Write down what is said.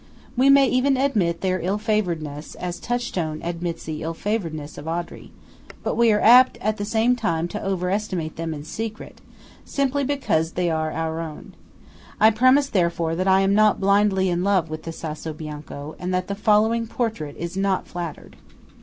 We may even admit their ill favouredness, as Touchstone admits the ill favouredness of Audrey; but we are apt all the time to over estimate them in secret–simply because they are our own. I premise therefore that I am not blindly in love with the Sasso Bianco,23 and that the following portrait is not flattered.